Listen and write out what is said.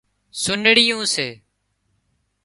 سُنڙيون سي